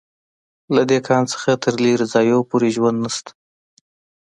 له دې کان څخه تر لېرې ځایونو پورې ژوند نشته